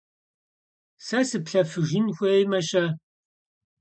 Сэ сыплъэфыжын хуеймэ-щэ?